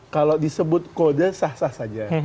kalau disebut kode sah sah saja